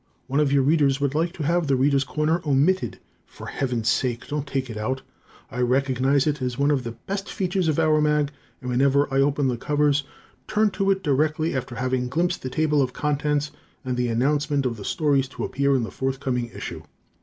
One of your Readers would like to have "The Readers' Corner" omitted. For heaven's sake, don't take it out! I recognize it as one of the best features of our mag, and whenever I open the covers, turn to it directly after having glimpsed the table of contents and the announcement of the stories to appear in the forthcoming issue.